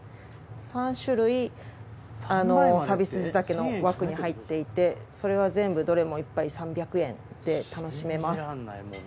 ３種類サービス地酒の枠に入っていてそれは全部どれも１杯３００円で楽しめます。